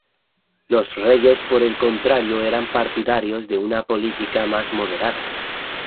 Los reyes, por el contrario, eran partidarios de una política más moderada.